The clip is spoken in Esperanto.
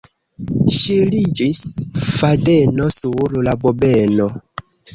Ŝiriĝis fadeno sur la bobeno.